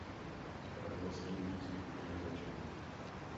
Zpravidla se jím výcvik koně začíná.